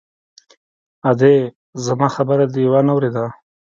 _ادې! زما خبره دې وانه ورېده!